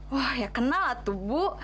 wah ya kenal tuh bu